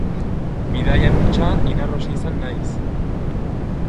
Bidaian untsa inarrosi izan naiz.